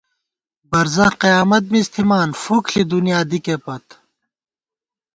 برزَخ قیامت مِز تھِمان ، فُک ݪی دُنیا دِکےپت